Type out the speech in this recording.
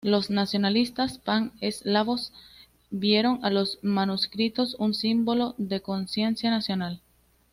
Los nacionalistas pan-eslavos vieron en los manuscritos un símbolo de conciencia nacional.